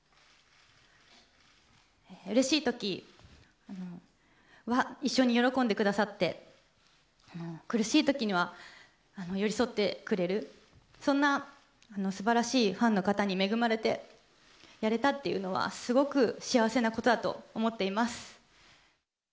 うれしいときは一緒に喜んでくださって、苦しいときには寄り添ってくれる、そんなすばらしいファンの方に恵まれてやれたっていうのは、すごく幸せなことだと思っています。